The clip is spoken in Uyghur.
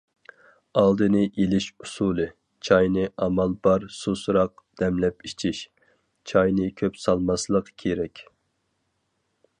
ئالدىنى ئېلىش ئۇسۇلى: چاينى ئامال بار سۇسراق دەملەپ ئىچىش، چاينى كۆپ سالماسلىق كېرەك.